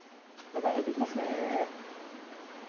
中へ入っていきますね。